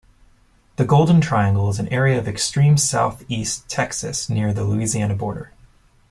The Golden Triangle is an area of extreme Southeast Texas near the Louisiana border.